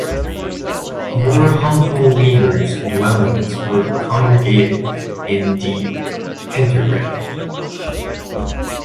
More humble weavers dwellings were congregated in the Tenterground.